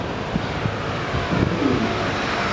Tfakk-awen-tent.